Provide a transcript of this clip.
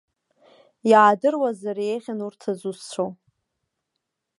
Иаадыруазар еиӷьын урҭ зусҭцәоу.